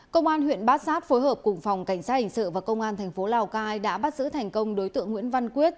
công an huyện bát sát phối hợp cùng phòng cảnh sát hình sự và công an thành phố lào cai đã bắt giữ thành công đối tượng nguyễn văn quyết